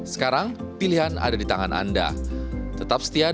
smartwatch ini juga dapat menggunakan koneksi yang lebih cepat